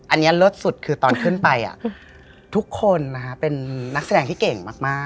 อันนี้เลิศสุดคือตอนขึ้นไปทุกคนเป็นนักแสดงที่เก่งมาก